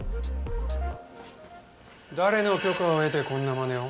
誰の許可を得てこんな真似を？